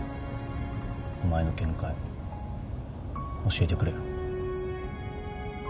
お前の見解教えてくれよ。